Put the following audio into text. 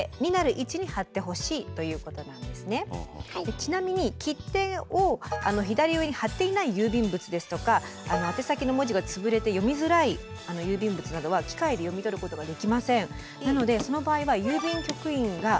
ちなみに切手を左上に貼っていない郵便物ですとか宛先の文字がつぶれて読みづらい郵便物などは機械で読み取ることができません。